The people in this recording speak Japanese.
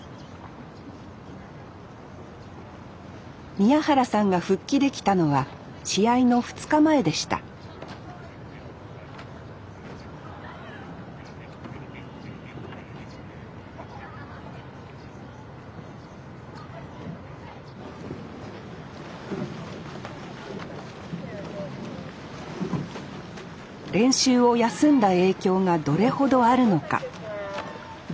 宮原さんが復帰できたのは試合の２日前でした練習を休んだ影響がどれほどあるのか全員が量りかねていました